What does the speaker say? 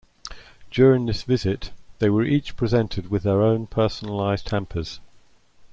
During this visit, they were each presented with their own personalized hampers.